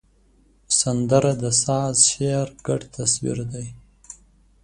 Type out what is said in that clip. سندره د ساز او شعر ګډ تصویر دی